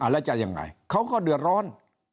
แล้วจะยังไงเขาก็เดือดร้อน